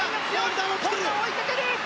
本多、追いかける！